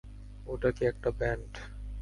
ওটা কি একটা ব্যান্ড?